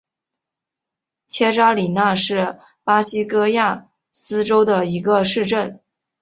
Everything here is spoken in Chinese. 切扎里娜是巴西戈亚斯州的一个市镇。